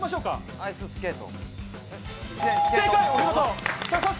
アイススケート。